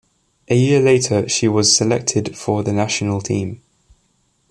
A year later she was selected for the national team.